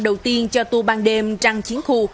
đầu tiên cho tour ban đêm trăng chiến khu